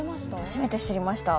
初めて知りました。